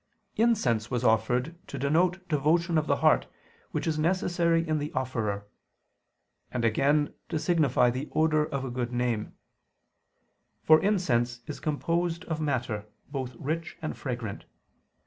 Incense was offered to denote devotion of the heart, which is necessary in the offerer; and again, to signify the odor of a good name: for incense is composed of matter, both rich and fragrant.